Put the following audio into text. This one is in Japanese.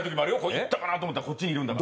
いったかなと思ったら、こっちにいくんだから。